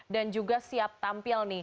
dan juga siap tampil